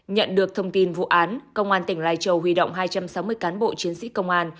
nhận được thông tin vụ án công an tỉnh lai châu huy động hai trăm sáu mươi cán bộ chiến sĩ công an